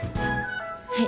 はい。